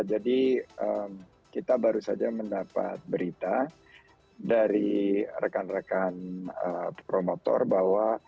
jadi kita baru saja mendapat berita dari rekan rekan promotor bahwa